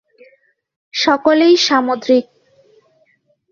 সকলেই সামুদ্রিক।